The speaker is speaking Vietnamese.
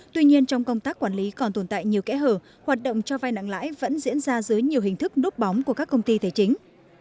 tuy nhiên trong công tác quản lý còn tồn tại nhiều kẽ hở hoạt động cho vai nặng lãi vẫn diễn ra dưới nhiều hình thức núp bóng của các công ty tài chính